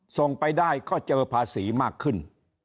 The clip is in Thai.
ส่งไปได้ก็เจอภาษีมากขึ้น